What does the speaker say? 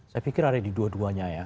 saya pikir ada di dua duanya ya